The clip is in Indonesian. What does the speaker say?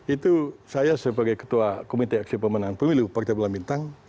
itu saya sebagai ketua komite aksi pemenang pemilu partai bulan bintang